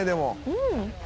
「うん！」